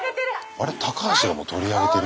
あれタカハシがもう取り上げてる？